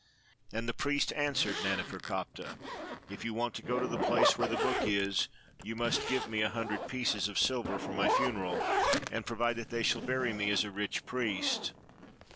And the priest answered Naneferkaptah, '' If you want to go to the place where the book is, you must give me a hun dred pieces of silver for my funeral, and provide that they shall bury me as a rich priest."